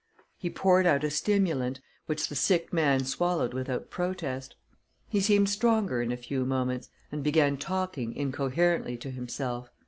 He poured out a stimulant, which the sick man swallowed without protest. He seemed stronger in a few moments, and began talking incoherently to himself.